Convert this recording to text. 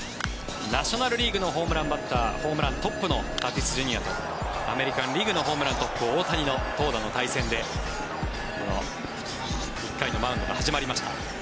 ナショナル・リーグのホームランバッターホームラントップのタティスＪｒ．とアメリカン・リーグのホームラントップ、大谷の投打の対戦で１回のマウンドが始まりました。